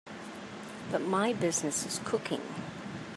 But my business is cooking.